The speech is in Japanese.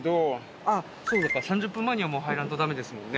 あっそうか３０分前にはもう入らんとダメですもんね。